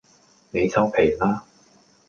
你收皮啦